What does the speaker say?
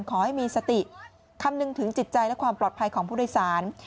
ขอให้มีสติคำนึงถึงจิตใจและความปลอดภัยของผู้โดยสาร